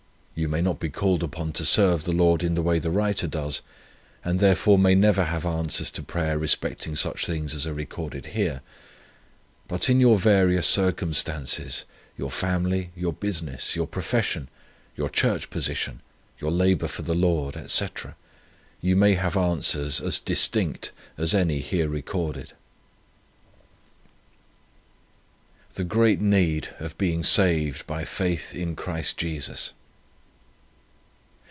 You may not be called upon to serve the Lord in the way the writer does, and therefore may never have answers to prayer respecting such things as are recorded here; but, in your various circumstances, your family, your business, your profession, your church position, your labour for the Lord, etc., you may have answers as distinct as any here recorded." THE GREAT NEED OF BEING SAVED BY FAITH IN CHRIST JESUS.